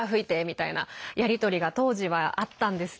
みたいなやり取りが当時はあったんです